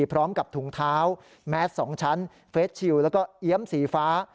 พร้อมกับถุงเท้าแมส๒ชั้นเฟสชิลแล้วก็เอี๊ยมสีฟ้า